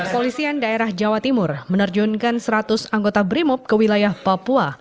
polisian daerah jawa timur menerjunkan seratus anggota brimob ke wilayah papua